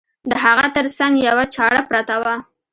د هغه تر څنګ یوه چاړه پرته وه.